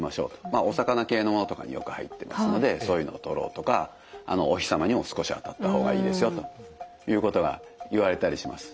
お魚系のものとかによく入ってますのでそういうのをとろうとかお日様にも少し当たった方がいいですよということが言われたりします。